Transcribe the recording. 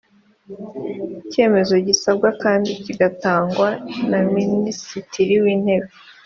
icyemezo gisabwa kandi kigatangwa na minisitiri w’ intebe